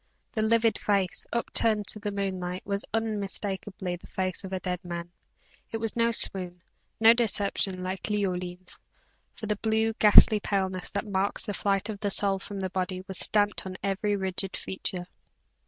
The livid face, up turned to the moonlight, was unmistakably the face of a dead man it was no swoon, no deception, like Leoline's; for the blue, ghastly paleness that marks the flight of the soul from the body was stamped on every rigid feature.